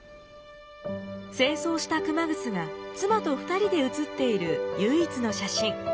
正装した熊楠が妻と２人で写っている唯一の写真。